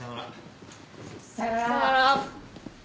さようなら。